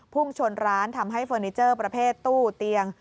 พุ่งชนร้านทำให้เฟอร์นิเจอร์ประเภทตู้เตียง